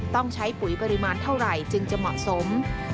ต้องใช้ปุ๋ยปริมาณเท่าไหร่จึงจะเหมาะสม